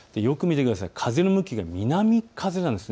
風の向きが南風なんです。